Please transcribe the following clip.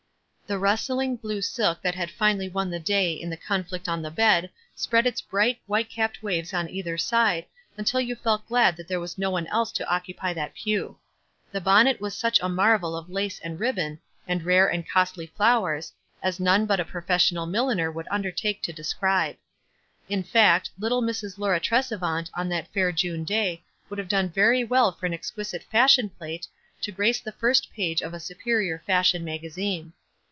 The rustling blue silk that had finally won the day in the conflict on the bed spread its bright, white capped waves on either side, until you felt glad that there was no one else to occupy that pew. The bonnet was such a marvel of lace and rib bon, and rare and costly flowers, as none but a professional milliner would undertake to de scribe. In fact, little Mrs. Laura Tresevant on that fair June day would have done very well for an exquisite fashion plate, to grace tho first page of a superior fashion magazine.